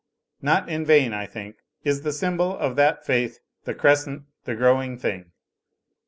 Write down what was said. Not in vain, I think, is the s)mibol of that faith the Crescent, the growing thing.